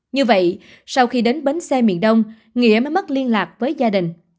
như vậy sau khi đến bến xe miền đông nghĩa mới mất liên lạc với gia đình